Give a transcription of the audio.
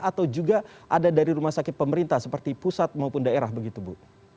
atau juga ada dari rumah sakit pemerintah seperti pusat maupun daerah begitu bu